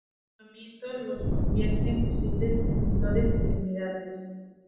Este comportamiento los convierte en posibles transmisores de enfermedades.